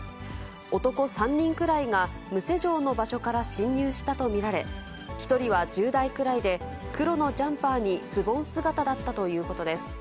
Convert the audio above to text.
男３人くらいが無施錠の場所から侵入したと見られ、１人は１０代くらいで、黒のジャンパーにズボン姿だったということです。